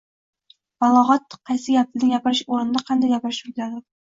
Balog‘at qaysi gapni qaysi o‘rinda qanday gapirishni o‘rgatadi.